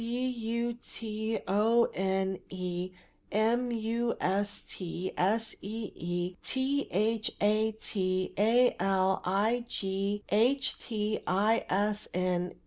"b. u. t. o. n. e. m. u. s. t. s. e. e. t. h. a. t. a. l. i. g. h. t. i. s. n.